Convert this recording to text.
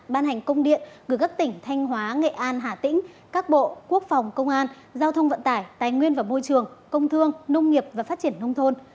ban hành công điện gửi các tỉnh thanh hóa nghệ an hà tĩnh các bộ quốc phòng công an giao thông vận tải tài nguyên và môi trường công thương nông nghiệp và phát triển nông thôn